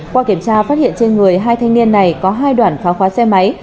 qua kiểm tra phát hiện trên người hai thanh niên này có hai đoạn phá khóa xe máy